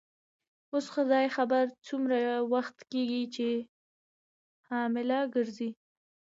اوس خدای خبر څومره وخت کیږي چي حامله ګرځې.